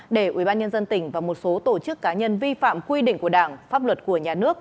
để ubnd tỉnh và một số tổ chức cá nhân vi phạm quy định của đảng pháp luật của nhà nước